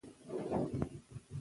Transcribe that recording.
د دوامدار حل او د ښاري زېربناوو